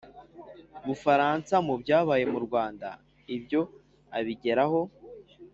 bufaransa mu byabaye mu rwanda. ibyo abigeraho